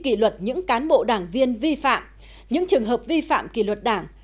kỷ luật những cán bộ đảng viên vi phạm những trường hợp vi phạm kỳ luật đảng